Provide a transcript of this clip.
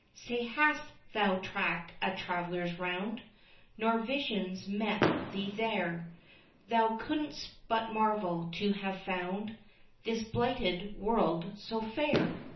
Say, hast thou tracked a traveller's round, Nor visions met thee there, Thou couldst but marvel to have found This blighted world so fair?